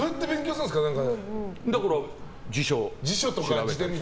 だから辞書を調べて。